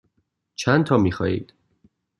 چندتا می خواهید؟